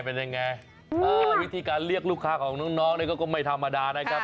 เป็นยังไงวิธีการเรียกลูกค้าของน้องนี่ก็ไม่ธรรมดานะครับ